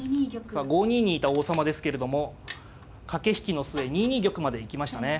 さあ５二にいた王様ですけれども駆け引きの末２二玉まで行きましたね。